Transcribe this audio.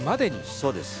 そうです